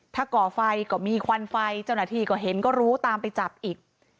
ถ้าก่อไฟก็มีควันไฟเจ้าหน้าที่ก็เห็นก็รู้ตามไปจับอีก